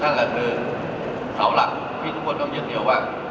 นั่นแหละคือเก่าหลักที่ตัวอย่างเดียวว่า